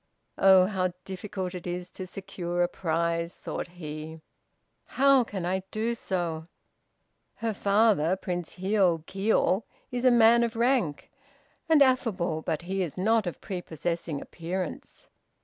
"Oh! how difficult it is to secure a prize," thought he. "How can I do so? Her father, Prince Hiôbkiô, is a man of rank, and affable, but he is not of prepossessing appearance.